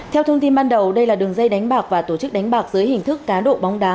theo thông tin ban đầu đây là đường dây đánh bạc và tổ chức đánh bạc dưới hình thức cá độ bóng đá